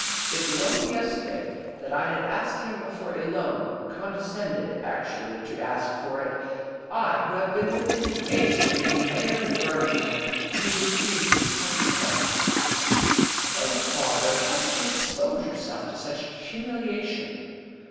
It was only yesterday that I asked him for a loan condescended actually to ask for it I, who have been within an ace of being Mayor of Birmingham! And he refused me point blank." "Oh, father! How could you expose yourself to such humiliation?"